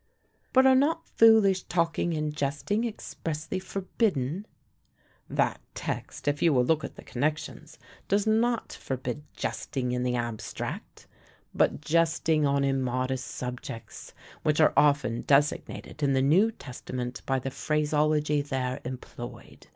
"But are not foolish talking and jesting expressly forbidden?" "That text, if you will look at the connections, does not forbid jesting in the abstract; but jesting on immodest subjects which are often designated in the New Testament by the phraseology there employed.